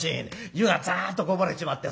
湯がザッとこぼれちまってさ